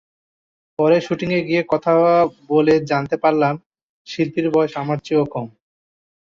পরে শুটিংয়ে গিয়ে কথা বলে জানতে পারলাম, শিল্পীর বয়স আমার চেয়েও কম।